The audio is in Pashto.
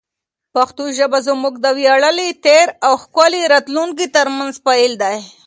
پښتو ژبه زموږ د ویاړلي تېر او ښکلي راتلونکي ترمنځ پل دی.